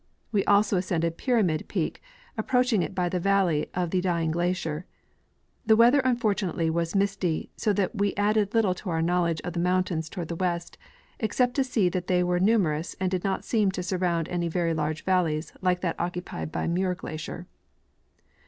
We also ascended Pyramid peak, approach ing it by the valley of the Dying glacier. The Aveather unfortu nately was misty, so that Ave added little to our knoAvledge of the mountains toAvard the Avest, except to see that they Avere numer ous and did not seem to surround any very large vallej^s like that occupied by Muir glacier.